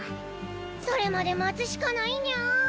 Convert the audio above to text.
それまで待つしかないニャ。